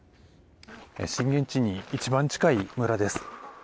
震源地に一番近い村です。